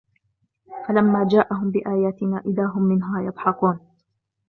فلما جاءهم بآياتنا إذا هم منها يضحكون